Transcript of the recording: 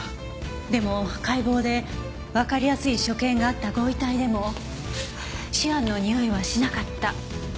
でも解剖でわかりやすい所見があったご遺体でもシアンのにおいはしなかった。